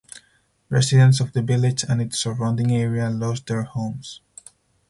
Residents of the village and its surrounding area lost their homes.